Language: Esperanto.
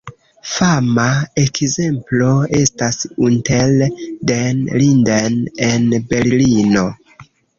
Fama ekzemplo estas "Unter den Linden" en Berlino.